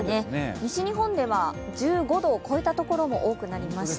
西日本では１５度を超えたところも多くなりました。